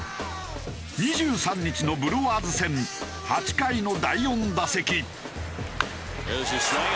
２３日のブルワーズ戦８回の第４打席。